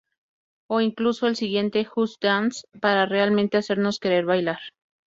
O incluso el siguiente 'Just Dance' para realmente hacernos querer bailar.